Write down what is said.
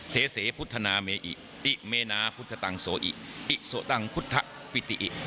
เสพุทธนาเมอิติเมนาพุทธตังโสอิอิโสตังพุทธปิติอิ